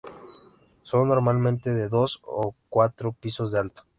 Son normalmente de dos a cuatro pisos de alto.